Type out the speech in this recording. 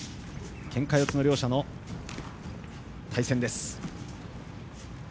けんか四つの両者の対戦です。